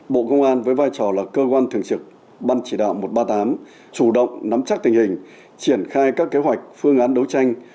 bộ công an với vai trò là cơ quan thường trực ban chỉ đạo một trăm ba mươi tám chủ động nắm chắc tình hình triển khai các kế hoạch phương án đấu tranh